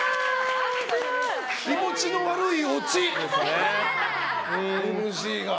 気持ちの悪いオチ。